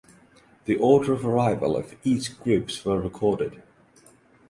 The order of arrival of each groups were recorded.